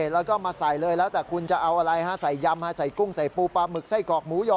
แล้วก็มาใส่เลยแล้วแต่คุณจะเอาอะไรใส่ยำใส่กุ้งใส่ปูปลาหมึกไส้กรอกหมูยอ